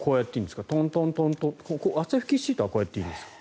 汗拭きシートはこうやっていいんですか？